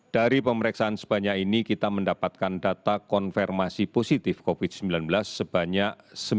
dari pemeriksaan sebanyak ini kita mendapatkan data konfirmasi positif covid sembilan belas sebanyak sembilan ratus tujuh puluh sembilan